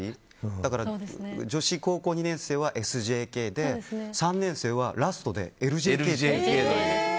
だから女子高校２年生はＳＪＫで３年生はラストでえー！